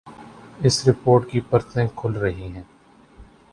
اس report کی پرتیں کھل رہی ہیں۔